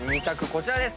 こちらです。